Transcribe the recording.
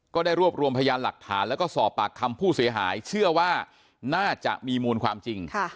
ก็ได้รวบรวมพยานหลักฐานแล้วก็สอบปากคำผู้เสียหายเชื่อว่าน่าจะมีมูลความจริง